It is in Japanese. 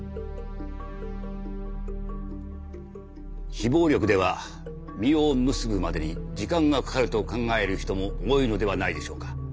非暴力では実を結ぶまでに時間がかかると考える人も多いのではないでしょうか。